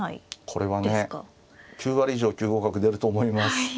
これはね９割以上９五角出ると思います。